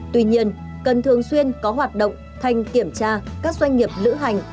tuy nhiên cần thường xuyên có hoạt động thanh kiểm tra các doanh nghiệp lữ hành